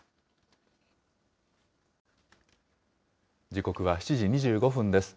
時刻は７時２５分です。